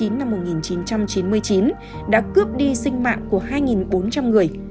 năm một nghìn chín trăm chín mươi chín đã cướp đi sinh mạng của hai bốn trăm linh người